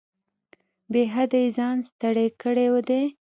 بې حده یې ځان ستړی کړی دی.